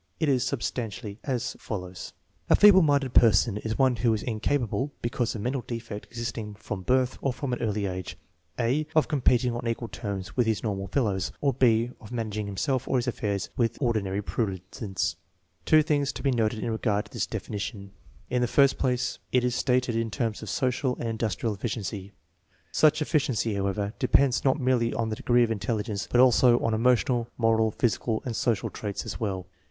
It is substantially as follows: A feeble minded person is one who is incapable, because of menial defect existing from birth or from an early aye, (a) of competing on equal terms urith his normal fellows; or (b) of managing himself or his affairs with ordinary prudence* Two things arc to be noted in regard to this definition: In the first place, it is stated in terms of social and in dustrial efficiency. Such efficiency, however, depends not merely on the degree of intelligence, but also on emotional, moral, physical, and social traits as well.